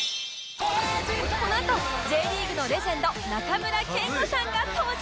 このあと Ｊ リーグのレジェンド中村憲剛さんが登場！